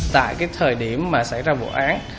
tại cái thời điểm mà xảy ra vụ án